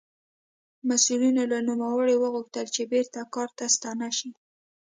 مسوولینو له نوموړي وغوښتل چې بېرته کار ته ستانه شي.